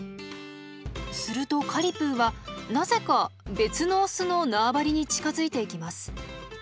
するとカリプーはなぜか別のオスの縄張りに近づいていきます。